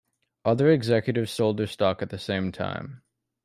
Other executives sold their stock at the same time.